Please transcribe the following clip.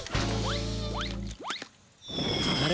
あれ？